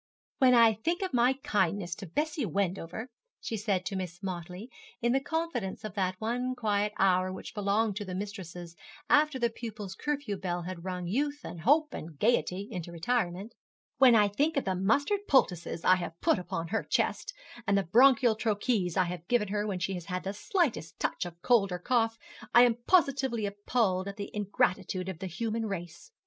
'When I think of my kindness to Bessie Wendover,' she said to Miss Motley, in the confidence of that one quiet hour which belonged to the mistresses after the pupils' curfew bell had rung youth and hope and gaiety into retirement, 'when I think of the mustard poultices I have put upon her chest, and the bronchial troches I have given her when she had the slightest touch of cold or cough, I am positively appalled at the ingratitude of the human race.'